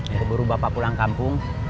aku buru bapak pulang kampung